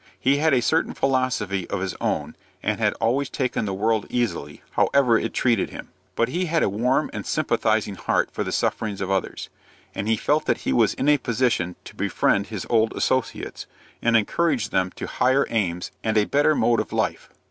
He had a certain philosophy of his own, and had always taken the world easily, however it treated him; but he had a warm and sympathizing heart for the sufferings of others, and he felt that he was in a position to befriend his old associates, and encourage them to higher aims and a better mode of life.